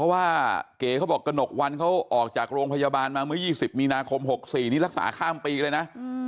เพราะว่าเก๋เขาบอกกระหนกวันเขาออกจากโรงพยาบาลมาเมื่อ๒๐มีนาคม๖๔นี้รักษาข้ามปีเลยนะ